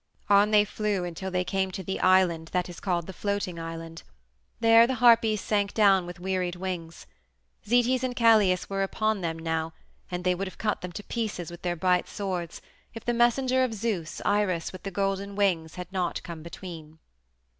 On they flew until they came to the island that is called the Floating Island. There the Harpies sank down with wearied wings. Zetes and Calais were upon them now, and they would have cut them to pieces with their bright swords, if the messenger of Zeus, Iris, with the golden wings, had not come between.